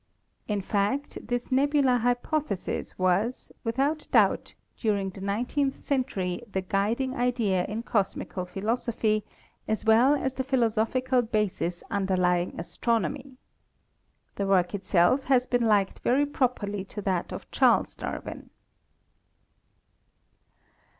In fact, this nebular hypothesis was, without doubt, during the nineteenth century the guiding idea in cosmical philosophy as well as the philosophical basis underlying astronomy. The work itself has been likened very properly to that of Charles Darwin.